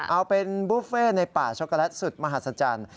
เอาเป็นบุฟเฟ่ในป่าช็อกโกแลตสุดมหัศจรรย์